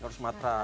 harus ada matras